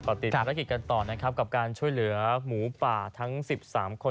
ก็ติดภารกิจกันต่อนะครับกับการช่วยเหลือหมูป่าทั้ง๑๓คน